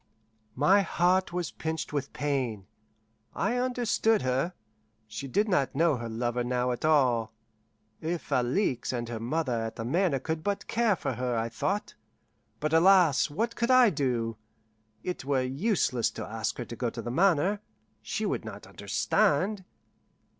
My heart was pinched with pain. I understood her. She did not know her lover now at all. If Alixe and her mother at the Manor could but care for her, I thought. But alas! what could I do? It were useless to ask her to go to the Manor; she would not understand.